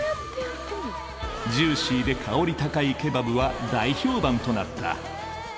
ジューシーで香り高いケバブは大評判となった。